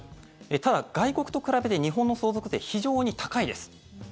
ただ、外国と比べて日本の相続税、非常に高いです。